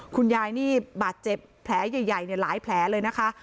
คุณยายนี่บาดเจ็บแผลใหญ่หลายแผลเลยนะคะ